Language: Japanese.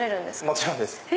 もちろんです。